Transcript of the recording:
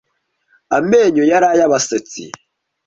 amenyo yari aya abasetsi